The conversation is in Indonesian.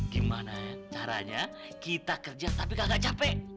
gimana caranya kita kerja tapi kagak capek